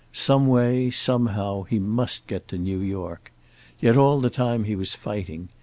Some way, somehow, he must get to New York. Yet all the time he was fighting.